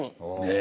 え！